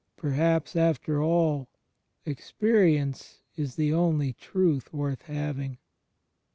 Perhaps, after all, experi ence is the only truth worth having."